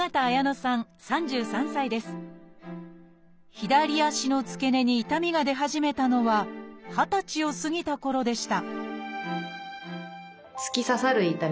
左足の付け根に痛みが出始めたのは二十歳を過ぎたころでした